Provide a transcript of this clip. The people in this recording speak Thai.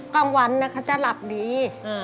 กลางวันเขาจะหลับดี